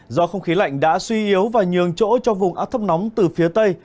do không khí lạnh đã suy yếu và nhường chỗ cho vùng áp thấp nóng từ phía tây